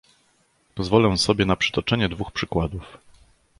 Pozwolę sobie na przytoczenie dwóch przykładów